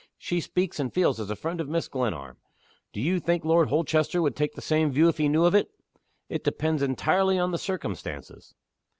She speaks and feels as a friend of Mrs. Glenarm. Do you think Lord Holchester would take the same view if he knew of it?" "It depends entirely on the circumstances."